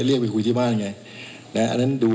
แต่เจ้าตัวก็ไม่ได้รับในส่วนนั้นหรอกนะครับ